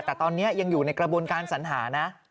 แต่ตอนนี้ยังอยู่ในกระบวนการสัญหานะ